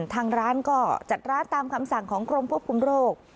ทางร้านก็จัดร้านตามคำสั่งของกรมควบคุมโรค